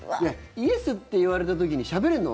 イエスって言われた時にしゃべれるの？